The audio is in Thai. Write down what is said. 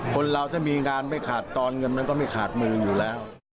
คนเราถ้ามีงานไม่ขาดตอนเงินมันก็ไม่ขาดมืออยู่แล้ว